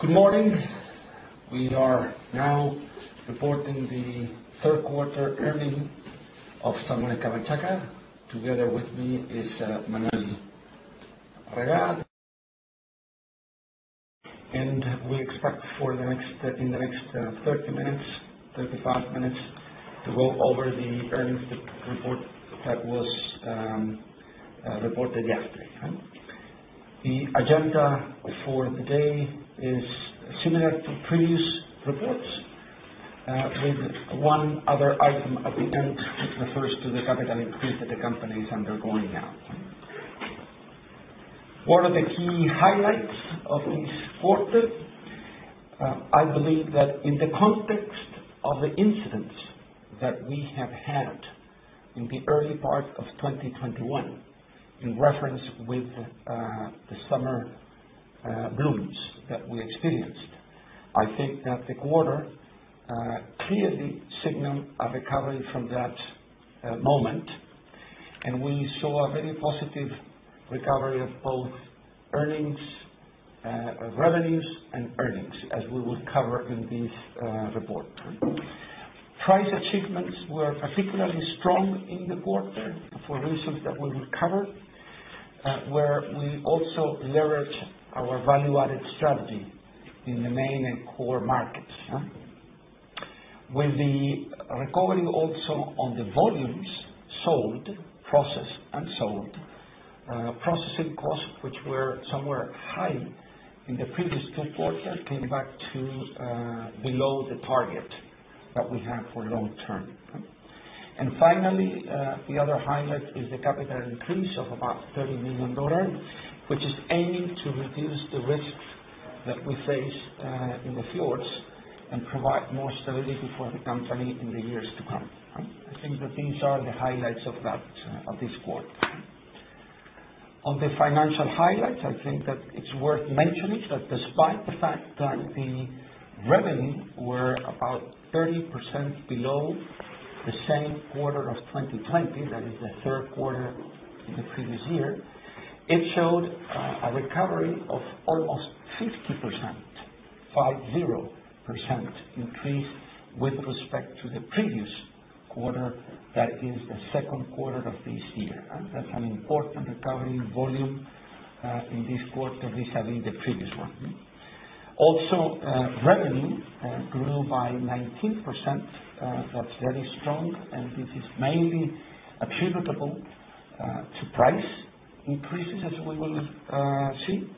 Good morning. We are now reporting the third quarter earnings of Salmones Camanchaca. Together with me is Manuel Arriagada. We expect in the next 30 minutes, 35 minutes to go over the earnings, the report that was reported yesterday. The agenda for today is similar to previous reports, with one other item at the end, which refers to the capital increase that the company is undergoing now. One of the key highlights of this quarter, I believe that in the context of the incidents that we have had in the early part of 2021, in reference with the summer blooms that we experienced, I think that the quarter clearly signal a recovery from that moment. We saw a very positive recovery of both earnings, revenues and earnings, as we will cover in this report. Price achievements were particularly strong in the quarter for reasons that we will cover, where we also leveraged our value-added strategy in the main and core markets, yeah. With the recovery also on the volumes sold, processed and sold, processing costs, which were somewhat high in the previous two quarters, came back to below the target that we have for long-term. Finally, the other highlight is the capital increase of about $30 million, which is aiming to reduce the risks that we face in the fjords and provide more stability for the company in the years to come, yeah. I think that these are the highlights of that, of this quarter. On the financial highlights, I think that it's worth mentioning that despite the fact that the revenue were about 30% below the same quarter of 2020, that is the third quarter in the previous year, it showed a recovery of almost 50%. 50% increase with respect to the previous quarter. That is the second quarter of this year. That's an important recovery volume in this quarter vis-à-vis the previous one. Also, revenue grew by 19%. That's very strong, and this is mainly attributable to price increases, as we will see.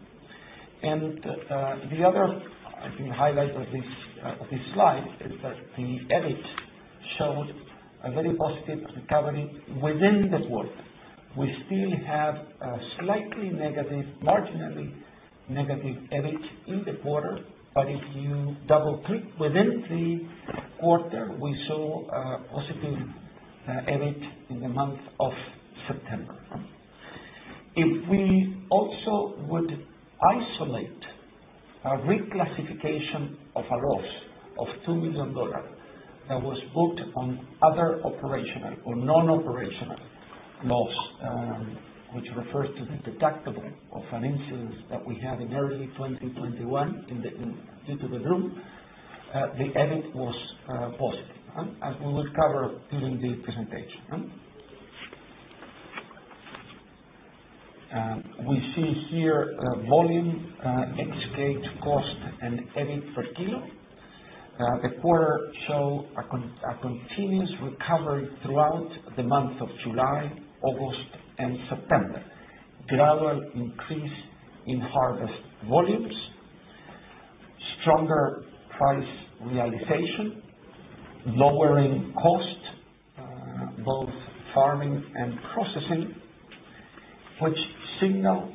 The other, I think, highlight of this slide is that the EBIT showed a very positive recovery within the quarter. We still have a slightly negative, marginally negative EBIT in the quarter, but if you double-click within the quarter, we saw a positive EBIT in the month of September. If we also would isolate a reclassification of a loss of $2 million that was booked on other operational or non-operational loss, which refers to the deductible of an insurance that we had in early 2021 due to the bloom, the EBIT was positive, as we will cover during the presentation. We see here volume, ex-cage cost, and EBIT per kilo. The quarter shows a continuous recovery throughout the month of July, August, and September. Gradual increase in harvest volumes, stronger price realization, lowering costs, both farming and processing, which signal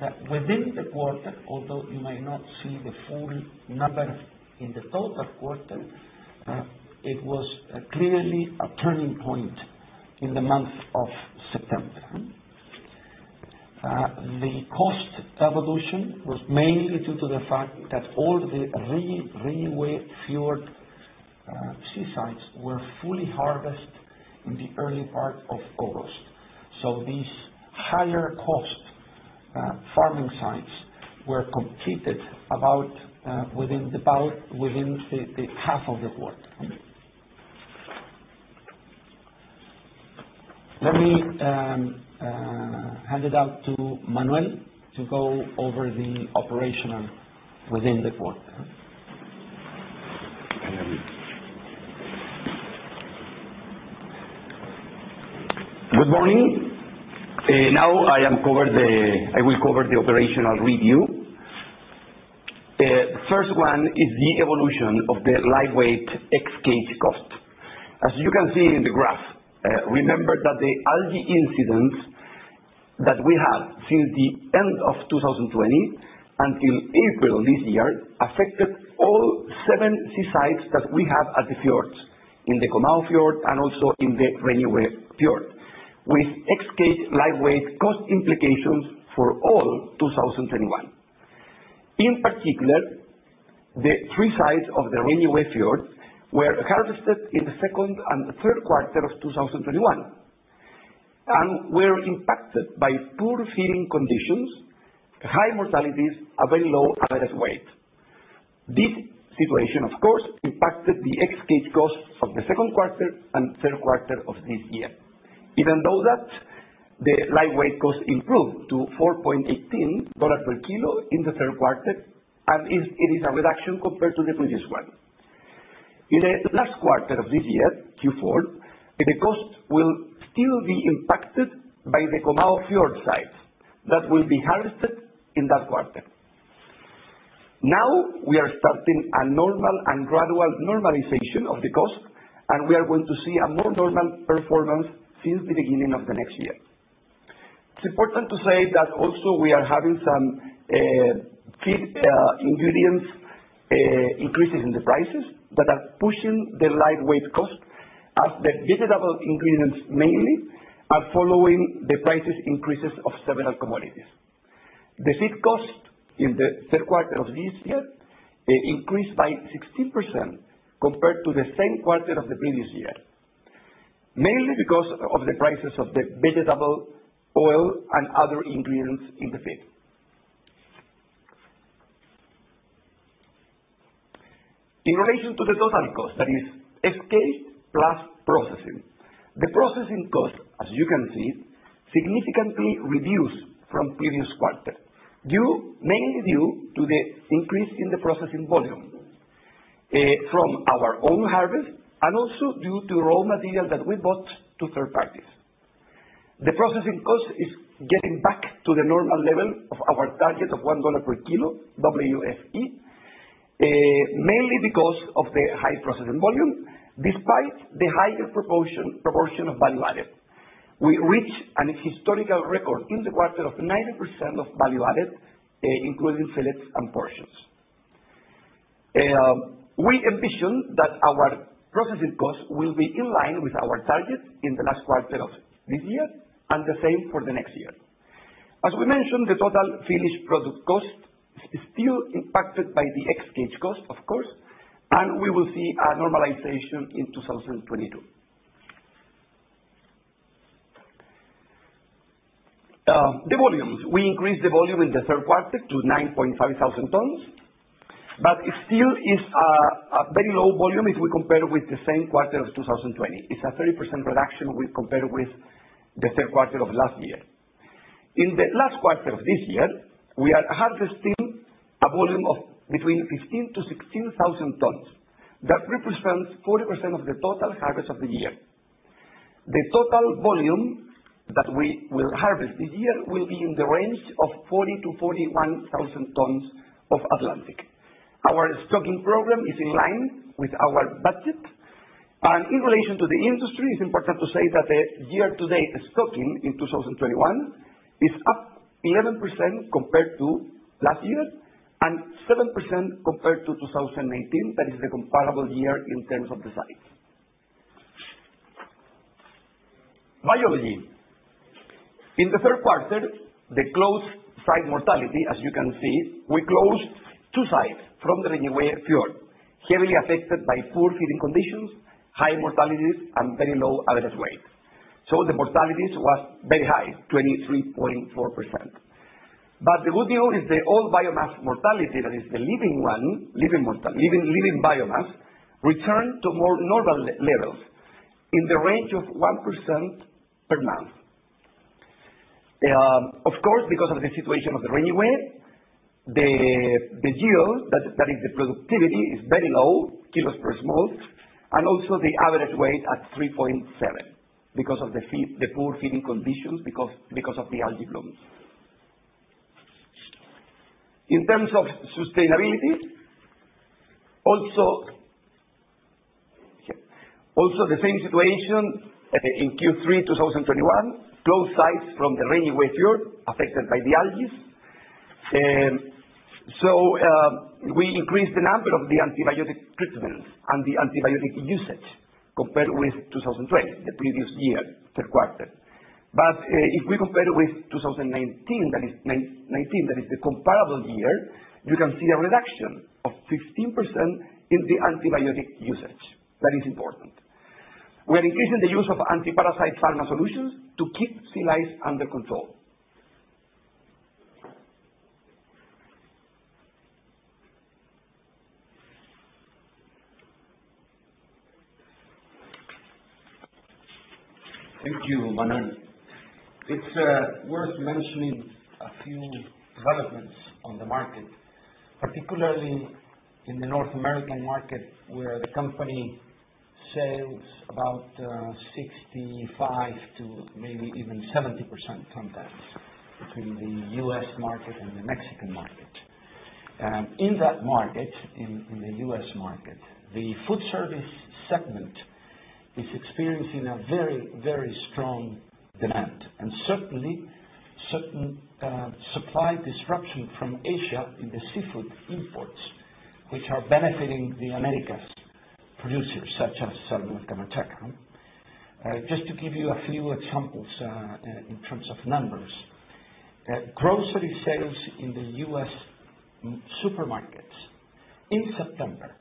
that within the quarter, although you may not see the full number in the total quarter, it was clearly a turning point in the month of September. The cost evolution was mainly due to the fact that all the Reñihué Fjord sea sites were fully harvested in the early part of August. These higher cost farming sites were completed about within the half of the quarter. Let me hand it over to Manuel to go over the operations within the quarter. Good morning. I will cover the operational review. First one is the evolution of the live weight ex-cage cost. As you can see in the graph, remember that the algae incidents that we had since the end of 2020 until April this year affected all 7 sea sites that we have at the fjords in the Comau Fjord and also in the Reñihué Fjord, with ex-cage live weight cost implications for all 2021. In particular, the 3 sites of the Reñihué Fjord were harvested in the second and third quarter of 2021 and were impacted by poor feeding conditions, high mortalities, a very low average weight. This situation, of course, impacted the ex-cage costs of the second quarter and third quarter of this year. Even though that the live weight cost improved to $4.18 per kilo in the third quarter and it is a reduction compared to the previous one. In the last quarter of this year, Q4, the cost will still be impacted by the Comau Fjord sites that will be harvested in that quarter. Now, we are starting a normal and gradual normalization of the cost, and we are going to see a more normal performance since the beginning of the next year. It's important to say that also we are having some feed ingredients increases in the prices that are pushing the live weight cost, as the vegetable ingredients mainly are following the price increases of several commodities. The feed cost in the third quarter of this year increased by 60% compared to the same quarter of the previous year, mainly because of the prices of the vegetable oil and other ingredients in the feed. In relation to the total cost, that is ex-cage plus processing. The processing cost, as you can see, significantly reduced from previous quarter, mainly due to the increase in the processing volume from our own harvest and also due to raw material that we bought from third parties. The processing cost is getting back to the normal level of our target of $1 per kilo WFE, mainly because of the high processing volume despite the higher proportion of value-added. We reach an historical record in the quarter of 90% of value-added, including fillets and portions. We envision that our processing cost will be in line with our target in the last quarter of this year and the same for the next year. As we mentioned, the total finished product cost is still impacted by the ex-cage cost, of course, and we will see a normalization in 2022. The volumes. We increased the volume in the third quarter to 9,500 tons, but it still is a very low volume if we compare with the same quarter of 2020. It's a 30% reduction compared with the third quarter of last year. In the last quarter of this year, we are harvesting a volume of between 15,000-16,000 tons. That represents 40% of the total harvest of the year. The total volume that we will harvest this year will be in the range of 40-41,000 tons of Atlantic. Our stocking program is in line with our budget. In relation to the industry, it's important to say that the year-to-date stocking in 2021 is up 11% compared to last year and 7% compared to 2019, that is the comparable year in terms of the size. Biology. In the third quarter, the site closure mortality, as you can see, we closed two sites from the Reñihué Fjord, heavily affected by poor feeding conditions, high mortalities, and very low average weight. The mortalities was very high, 23.4%. The good news is the overall biomass mortality, that is the living one, living biomass, returned to more normal levels, in the range of 1% per month. Of course, because of the situation of the Reñihué, the yields, that is the productivity, is very low, kilos per smolt, and also the average weight at 3.7 because of the feed, the poor feeding conditions because of the algae blooms. In terms of sustainability, also the same situation in Q3 2021. Closed sites from the Reñihué Fjord affected by the algae. So, we increased the number of the antibiotic treatments and the antibiotic usage compared with 2020, the previous year, third quarter. If we compare with 2019, that is 2019, that is the comparable year, you can see a reduction of 15% in the antibiotic usage. That is important. We are increasing the use of anti-parasite pharma solutions to keep sea lice under control. Thank you, Manuel. It's worth mentioning a few developments on the market, particularly in the North American market, where the company sells about 65% to maybe even 70% sometimes between the U.S. market and the Mexican market. In that market, in the U.S. market, the food service segment is experiencing a very strong demand. Certainly, certain supply disruption from Asia in the seafood imports, which are benefiting the Americas producers, such as Salmones Camanchaca. Just to give you a few examples, in terms of numbers. Grocery sales in the U.S. supermarkets in September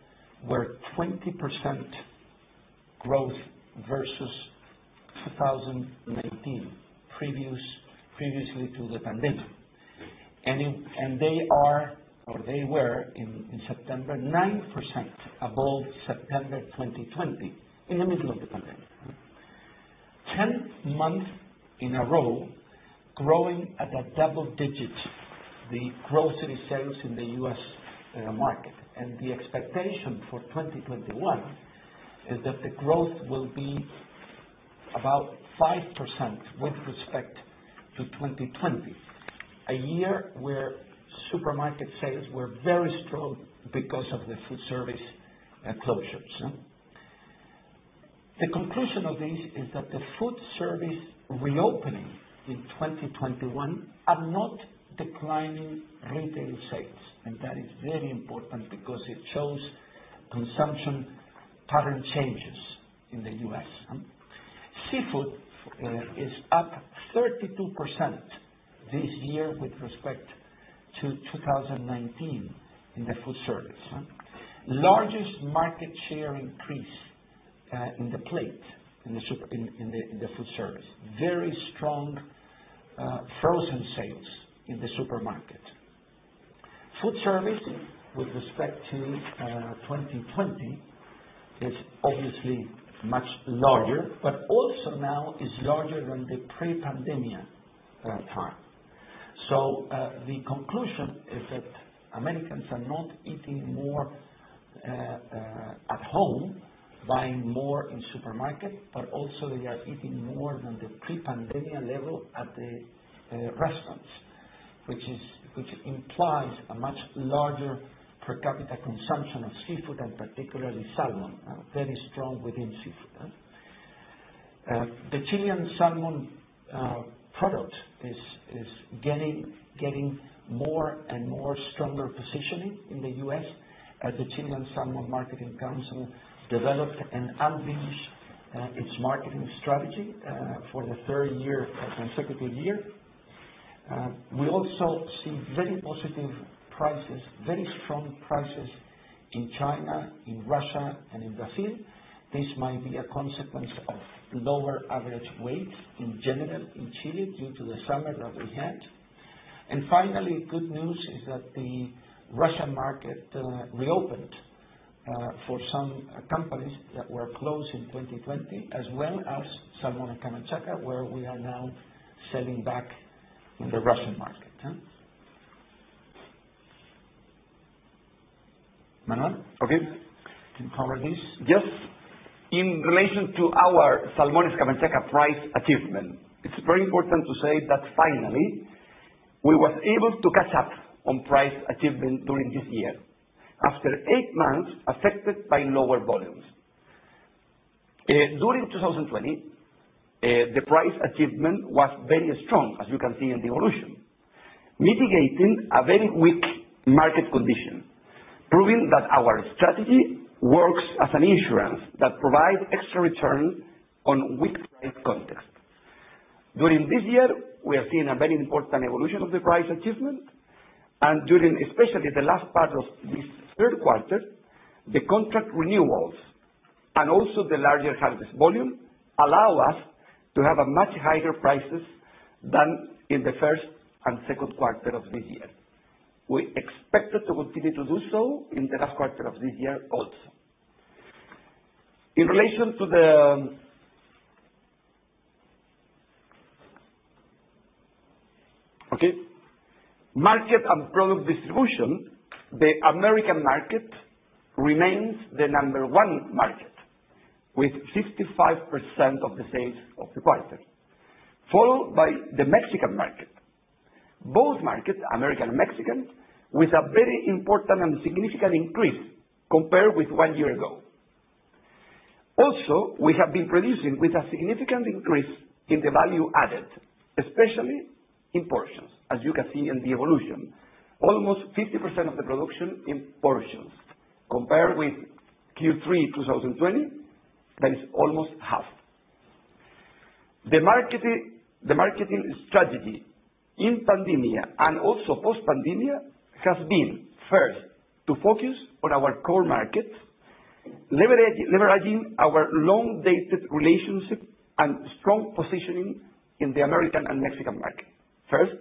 were 20% growth versus 2019, prior to the pandemic. They were in September 9% above September 2020, in the middle of the pandemic. 10 months in a row growing at double digits, the grocery sales in the U.S. market. The expectation for 2021 is that the growth will be about 5% with respect to 2020, a year where supermarket sales were very strong because of the food service closures. The conclusion of this is that the food service reopening in 2021 are not declining retail sales. That is very important because it shows consumption pattern changes in the U.S. Seafood is up 32% this year with respect to 2019 in the food service. Largest market share increase in the food service. Very strong frozen sales in the supermarket. Food service with respect to 2020 is obviously much larger, but also now is larger than the pre-pandemic time. The conclusion is that Americans are not eating more at home, buying more in supermarket, but also they are eating more than the pre-pandemic level at the restaurants, which implies a much larger per capita consumption of seafood and particularly salmon, very strong within seafood. The Chilean salmon product is getting more and more stronger positioning in the U.S. as the Chilean Salmon Marketing Council developed and unleashed its marketing strategy for the third consecutive year. We also see very positive prices, very strong prices in China, in Russia, and in Brazil. This might be a consequence of lower average weight in general in Chile due to the summer that we had. Finally, good news is that the Russian market reopened for some companies that were closed in 2020, as well as Salmones Camanchaca, where we are now selling back in the Russian market. Manuel? Okay. To cover this. Yes. In relation to our Salmones Camanchaca price achievement, it's very important to say that finally, we were able to catch up on price achievement during this year after eight months affected by lower volumes. During 2020, the price achievement was very strong, as you can see in the evolution, mitigating a very weak market condition, proving that our strategy works as an insurance that provides extra return on weak price context. During this year, we have seen a very important evolution of the price achievement. During, especially the last part of this third quarter, the contract renewals and also the larger harvest volume allow us to have a much higher prices than in the first and second quarter of this year. We expected to continue to do so in the last quarter of this year also. Market and product distribution, the American market remains the number one market, with 65% of the sales of the quarter, followed by the Mexican market. Both markets, American and Mexican, with a very important and significant increase compared with one year ago. Also, we have been producing with a significant increase in the value-added, especially in portions, as you can see in the evolution. Almost 50% of the production in portions. Compared with Q3 2020, that is almost half. The marketing strategy in pandemic and also post-pandemic has been, first, to focus on our core markets, leveraging our long-dated relationship and strong positioning in the American and Mexican market, first.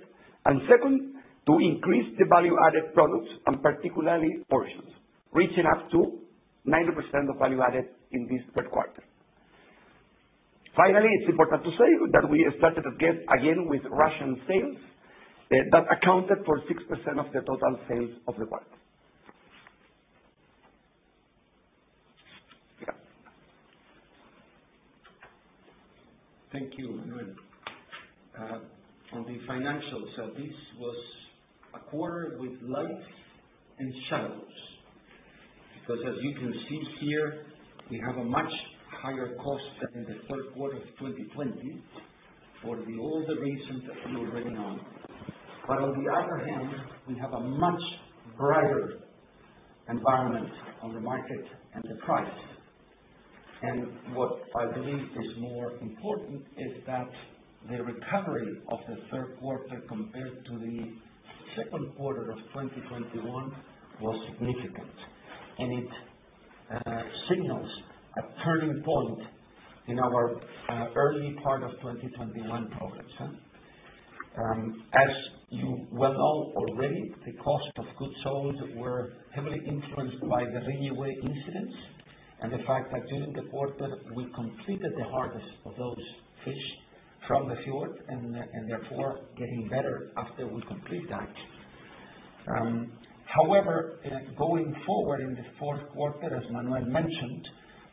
Second, to increase the value-added products and particularly portions, reaching up to 90% of value-added in this third quarter. Finally, it's important to say that we started again with Russian sales that accounted for 6% of the total sales of the quarter. Yeah. Thank you, Manuel. On the financials. This was a quarter with light and shadows. Because as you can see here, we have a much higher cost than in the third quarter of 2020 for the older reasons that we've already known. On the other hand, we have a much brighter environment on the market and the price. What I believe is more important is that the recovery of the third quarter compared to the second quarter of 2021 was significant, and it signals a turning point in our early part of 2021 progress. As you well know already, the cost of goods sold were heavily influenced by the Reñihué incidents and the fact that during the quarter, we completed the harvest of those fish from the fjord, and therefore, getting better after we complete that. However, going forward in the fourth quarter, as Manuel mentioned,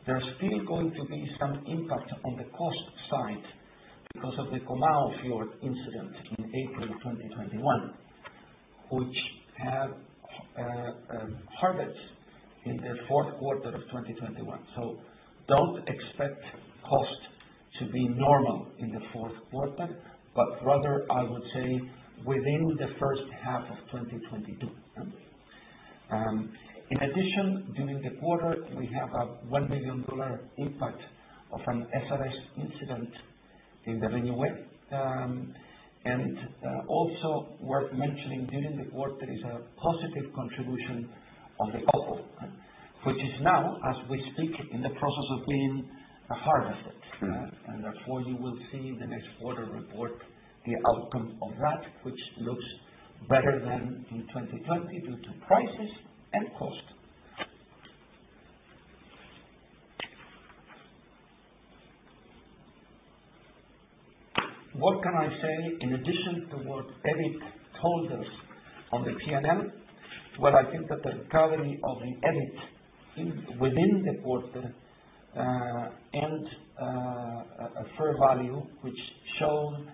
there's still going to be some impact on the cost side because of the Comau Fjord incident in April 2021, which had harvest in the fourth quarter of 2021. Don't expect costs to be normal in the fourth quarter, but rather I would say within the first half of 2022. In addition, during the quarter, we have a $1 million impact of an SRS incident in the Reñihué. Also worth mentioning, during the quarter is a positive contribution of the, [inaudible] which is now, as we speak, in the process of being harvested. Mm-hmm. Therefore, you will see in the next quarter report the outcome of that which looks better than in 2020 due to prices and cost. What can I say in addition to what EBIT told us on the P&L? Well, I think that the recovery of the EBIT within the quarter, and a fair value, which shown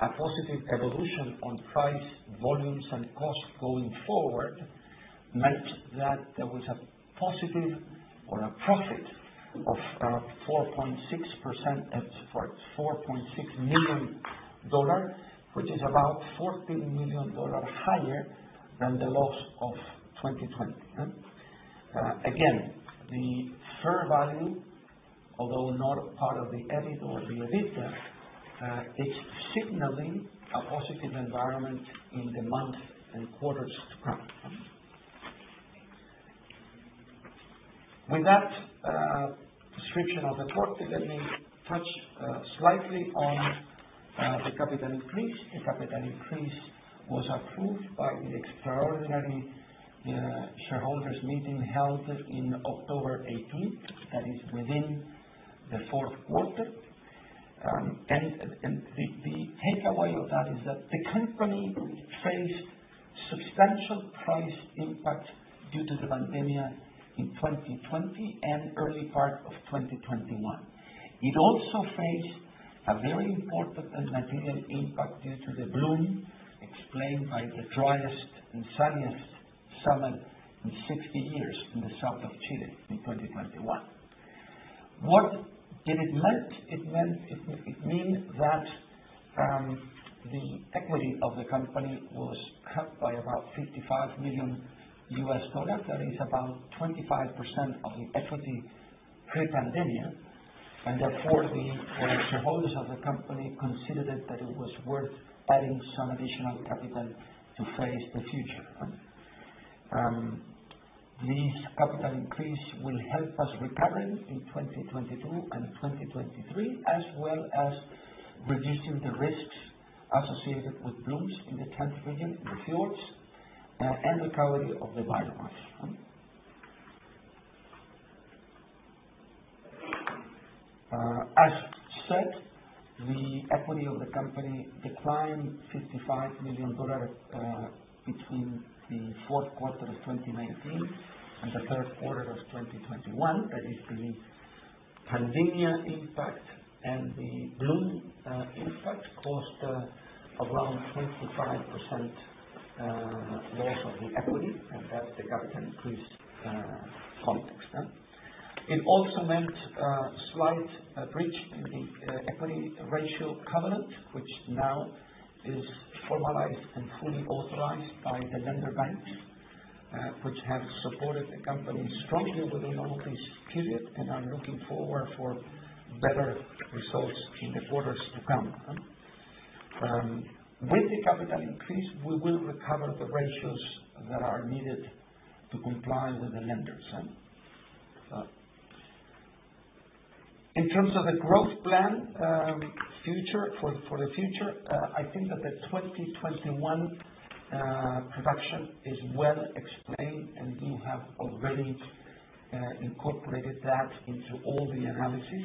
a positive evolution on price, volumes, and costs going forward, meant that there was a positive or a profit of 4.6%. It's $4.6 million, which is about $14 million higher than the loss of 2020. Again, the fair value, although not part of the EBIT or the EBITDA, it's signaling a positive environment in the months and quarters to come. With that description of the quarter, let me touch slightly on the capital increase. The capital increase was approved by the extraordinary shareholders meeting held in October 18. That is within the fourth quarter. The takeaway of that is that the company faced substantial price impact due to the pandemic in 2020 and early part of 2021. It also faced a very important and material impact due to the bloom explained by the driest and sunniest summer in 60 years in the south of Chile in 2021. What did it meant? It means that the equity of the company was cut by about $55 million. That is about 25% of the equity pre-pandemic, and therefore, the shareholders of the company considered it that it was worth adding some additional capital to face the future. This capital increase will help us recover in 2022 and 2023, as well as reducing the risks associated with blooms in the tenth region, in the fjords, and recovery of the biomass. As said, the equity of the company declined $55 million between the fourth quarter of 2019 and the third quarter of 2021. That is the pandemic impact and the bloom impact cost around 25% loss of the equity, and that's the capital increase context. It also meant a slight breach in the equity ratio covenant, which now is formalized and fully authorized by the lender banks, which have supported the company strongly over the last period and are looking forward for better results in the quarters to come. With the capital increase, we will recover the ratios that are needed to comply with the lenders. In terms of the growth plan for the future, I think that the 2021 production is well explained, and you have already incorporated that into all the analysis.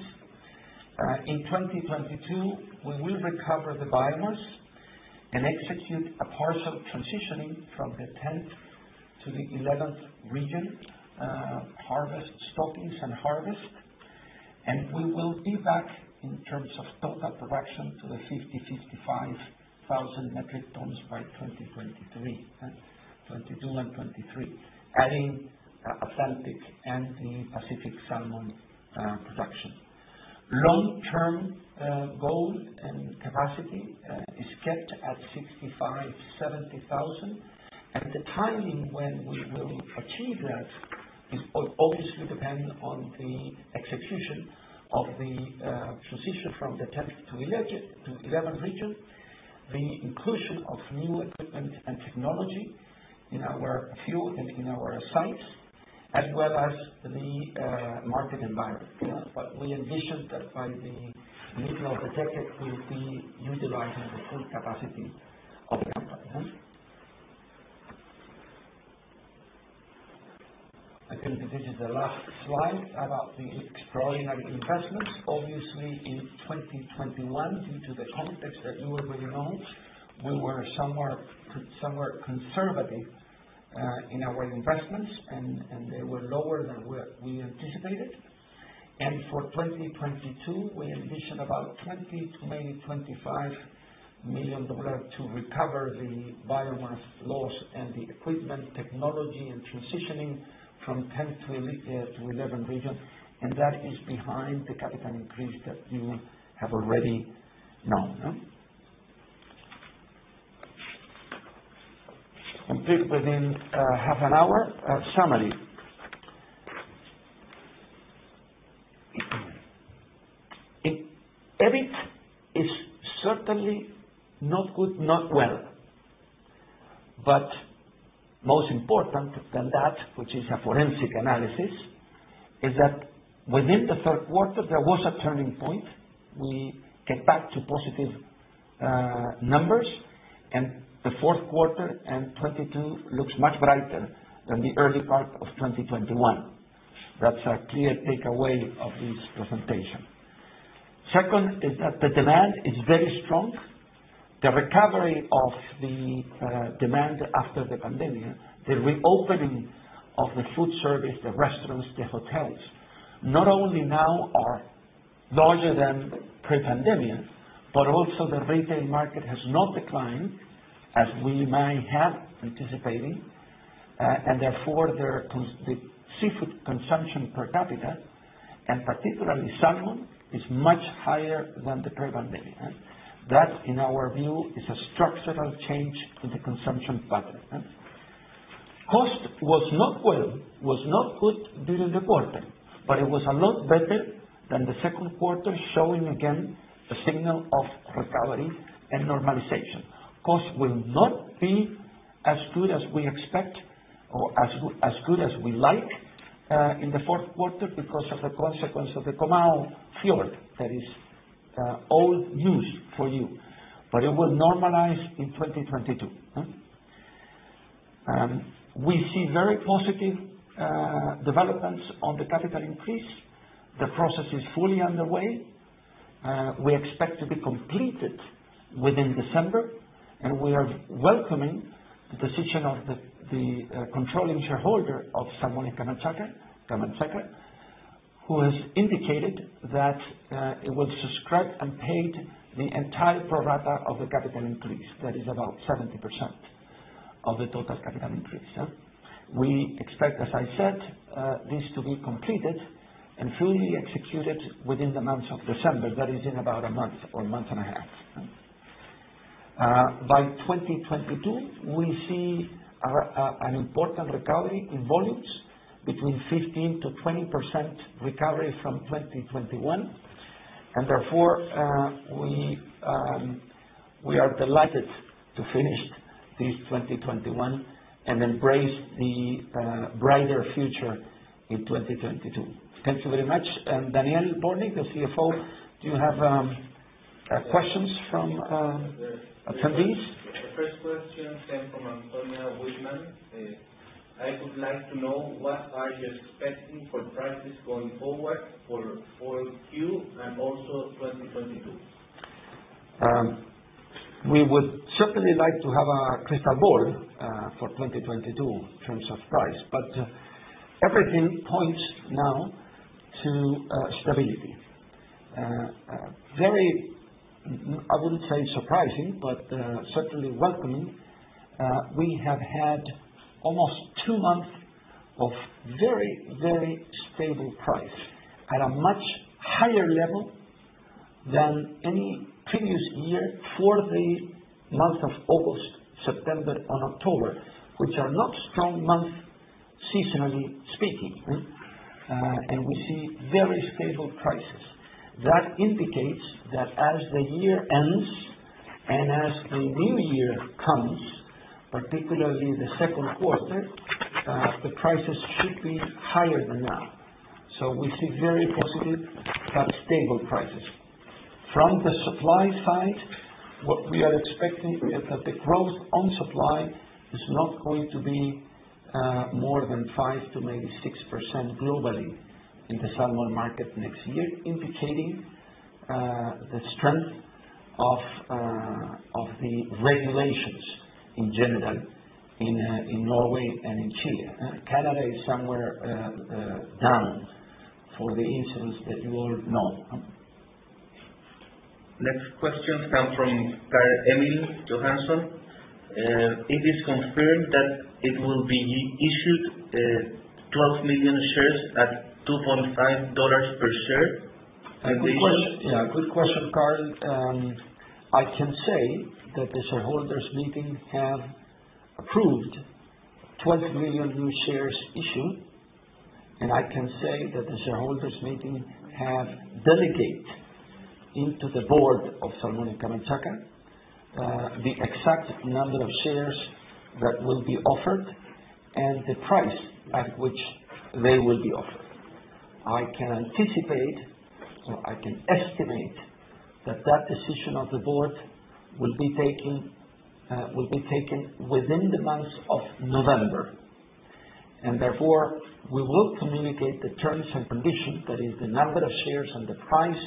In 2022, we will recover the biomass and execute a partial transitioning from the tenth to the eleventh region, harvest stockings and harvest, and we will be back in terms of total production to the 50-55 thousand metric tons by 2023. In 2022 and 2023, adding Atlantic and the Pacific salmon production. Long-term goal and capacity is kept at 65-70 thousand. The timing when we will achieve that is obviously dependent on the execution of the transition from the tenth to eleventh region, the inclusion of new equipment and technology in our new sites, as well as the market environment. We envision that by the middle of the decade, we'll be utilizing the full capacity of the company. I can visit the last slide about the extraordinary investments. Obviously, in 2021, due to the context that you already know, we were somewhat conservative in our investments and they were lower than we anticipated. For 2022, we envision about $20-$25 million to recover the biomass loss and the equipment technology and transitioning from tenth to eleventh region. That is behind the capital increase that you have already known. Complete within half an hour. A summary. In EBIT is certainly not good, not well. Most important than that, which is a forensic analysis, is that within the third quarter, there was a turning point. We get back to positive numbers, and the fourth quarter and 2022 looks much brighter than the early part of 2021. That's our clear takeaway of this presentation. Second is that the demand is very strong. The recovery of the demand after the pandemic, the reopening of the food service, the restaurants, the hotels, not only now are larger than pre-pandemic, but also the retail market has not declined as we might have anticipating. Therefore, the seafood consumption per capita, and particularly salmon, is much higher than the pre-pandemic. That, in our view, is a structural change in the consumption pattern. Cost was not good during the quarter, but it was a lot better than the second quarter, showing again a signal of recovery and normalization. Cost will not be as good as we expect or as good as we like in the fourth quarter because of the consequence of the Comau Fjord that is old news for you. It will normalize in 2022. We see very positive developments on the capital increase. The process is fully underway. We expect to be completed within December, and we are welcoming the decision of the controlling shareholder of Salmones Camanchaca, who has indicated that it will subscribe and pay the entire pro rata of the capital increase. That is about 70% of the total capital increase. We expect, as I said, this to be completed and fully executed within the months of December. That is in about a month or a month and a half. By 2022, we see an important recovery in volumes between 15%-20% recovery from 2021. Therefore, we are delighted to finish this 2021 and embrace the brighter future in 2022. Thank you very much. Daniel Bortnik, the CFO, do you have questions from attendees? The first question came from Antonio Wittman. I would like to know what are you expecting for prices going forward for Q and also 2022? We would certainly like to have a crystal ball for 2022 in terms of price, but everything points now to stability. I wouldn't say surprising, but certainly welcoming. We have had almost two months of very, very stable price at a much higher level than any previous year for the month of August, September and October, which are not strong months, seasonally speaking. We see very stable prices. That indicates that as the year ends and as the new year comes, particularly in the second quarter, the prices should be higher than now. We see very positive, but stable prices. From the supply side, what we are expecting is that the growth on supply is not going to be more than 5% to maybe 6% globally in the salmon market next year, indicating the strength of the regulations in general in Norway and in Chile. Canada is somewhere down for the incidents that you all know. Next question come from Carl-Emil Kjølås Johannessen. It is confirmed that it will be issued 12 million shares at $2.5 per share. A good question. Yeah, a good question, Carl. I can say that the shareholders meeting have approved 12 million new shares issue, and I can say that the shareholders meeting have delegate into the board of Salmones Camanchaca, the exact number of shares that will be offered and the price at which they will be offered. I can anticipate or I can estimate that that decision of the board will be taken within the month of November. Therefore, we will communicate the terms and conditions, that is the number of shares and the price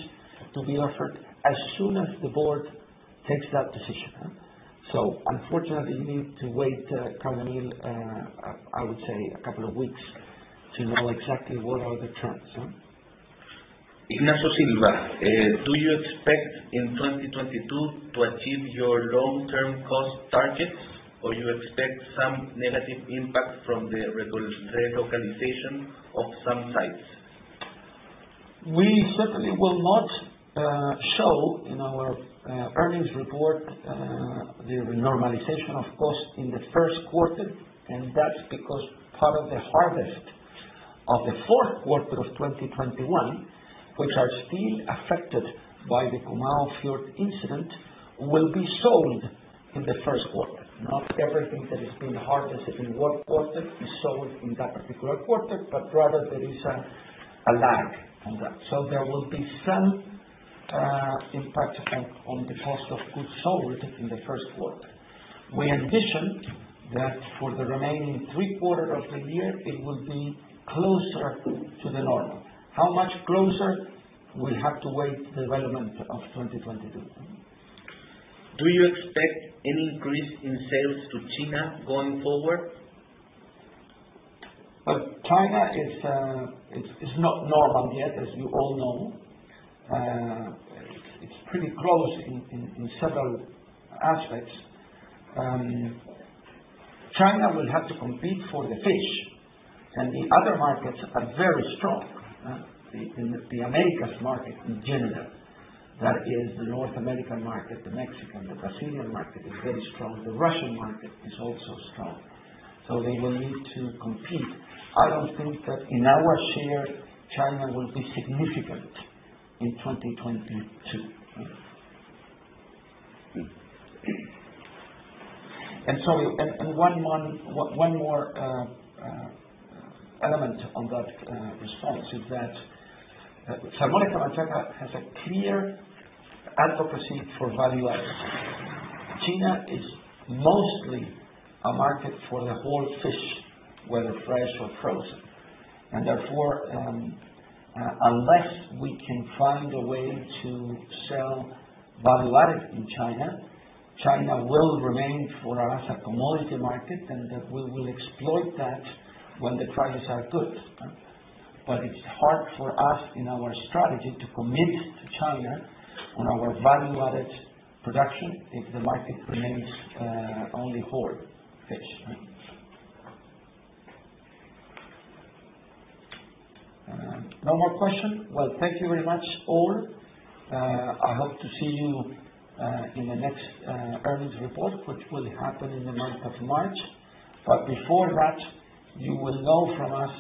to be offered, as soon as the board takes that decision. Unfortunately, you need to wait, Carl Emil, I would say a couple of weeks to know exactly what are the terms. Do you expect in 2022 to achieve your long-term cost targets, or you expect some negative impact from the relocalization of some sites? We certainly will not show in our earnings report the renormalization of cost in the first quarter, and that's because part of the harvest of the fourth quarter of 2021, which are still affected by the Comau Fjord incident, will be sold in the first quarter. Not everything that has been harvested in the fourth quarter is sold in that particular quarter, but rather there is a lag on that. There will be some impact on the cost of goods sold in the first quarter. We envision that for the remaining three quarters of the year, it will be closer to the normal. How much closer? We'll have to await the development of 2022. Do you expect any increase in sales to China going forward? Well, China is not normal yet, as you all know. It's pretty close in several aspects. China will have to compete for the fish, and the other markets are very strong. The Americas market in general is very strong. That is the North American market, the Mexican, the Brazilian. The Russian market is also strong. They will need to compete. I don't think that in our share, China will be significant in 2022. Sorry, one more element on that response is that Salmones Camanchaca has a clear advocacy for value-added. China is mostly a market for the whole fish, whether fresh or frozen. Therefore, unless we can find a way to sell value-added in China will remain for us a commodity market and that we will exploit that when the prices are good. It's hard for us in our strategy to commit to China on our value-added production if the market remains only whole fish. No more question? Well, thank you very much all. I hope to see you in the next earnings report, which will happen in the month of March. Before that, you will know from us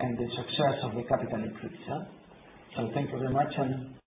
in the success of the capital increase, yeah. Thank you very much, and-